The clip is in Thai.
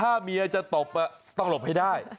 ถ้าเมียจะตบต้องหลบให้ได้